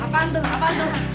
apaan tuh apaan tuh